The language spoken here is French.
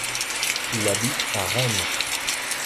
il habite à Rennes.